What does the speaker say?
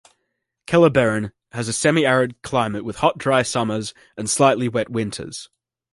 Kellerberrin has a semi-arid climate with hot dry summers and slightly wet winters.